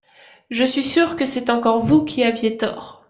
Je suis sûre que c’est encore vous qui aviez tort.